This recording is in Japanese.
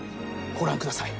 ご覧ください。